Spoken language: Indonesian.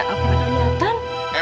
apa yang kalian lihat kan